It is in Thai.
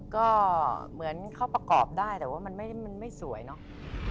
ก็เหมือนเข้าประกอบได้แต่ว่ามันไม่สวยเนาะ